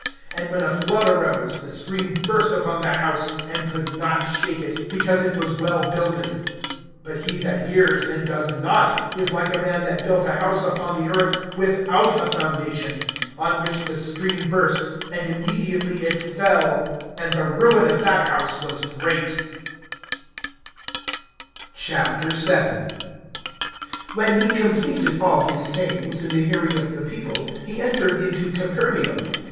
And when a flood arose, the stream burst upon that house, and could not shake it; because it was well builded. (49)But he that hears, and does not, is like a man that built a house upon the earth without a foundation; on which the stream burst, and immediately it fell[6:49]; and the ruin of that house was great. VII. WHEN he completed all his sayings in the hearing of the people, he entered into Capernaum.